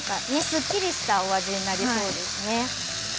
すっきりしたお味になりそうですね。